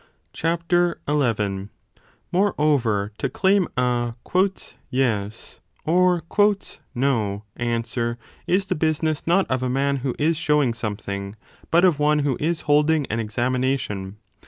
II Moreover, to claim a Yes or No answer is the busi ness not of a man who is showing something, but of one who is holding an examination.